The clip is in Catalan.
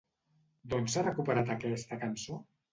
D'on s'ha recuperat aquesta cançó?